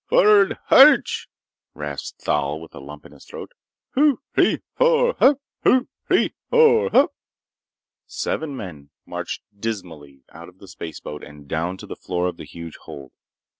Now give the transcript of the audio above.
"Frrrd, harch!" rasped Thal with a lump in his throat. "Two, three, four. Hup two, three, four. Hup—" Seven men marched dismally out of the spaceboat and down to the floor of the huge hold.